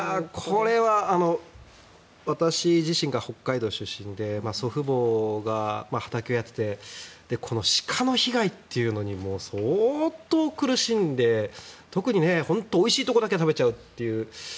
これは私自身が北海道出身で祖父母が畑をやっていて鹿の被害というのにもう相当苦しんで特に本当においしいところだけ食べちゃうという。